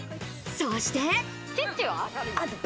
そして。